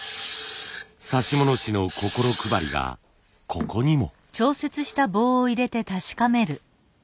指物師の心配りがここにも。